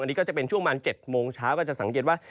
อันนี้ก็จะเป็นช่วงประมาณ๗โมงเช้าก็จะสังเกตว่า